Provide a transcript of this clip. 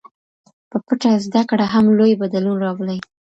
په پټه زده کړه هم لوی بدلون راولي.